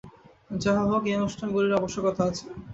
যাহা হউক, ঐ অনুষ্ঠানগুলির আবশ্যকতা আছে।